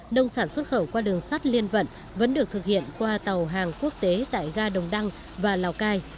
nông sản xuất khẩu qua đường sắt liên vận vẫn được thực hiện qua tàu hàng quốc tế tại ga đồng đăng và lào cai